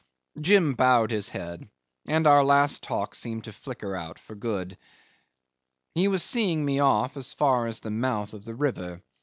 Jim bowed his head, and our last talk seemed to flicker out for good. He was seeing me off as far as the mouth of the river.